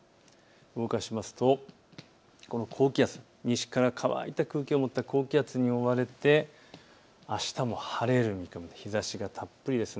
動かすと高気圧、西から乾いた空気を持った高気圧に覆われてあしたも晴れる見込みで日ざしがたっぷりです。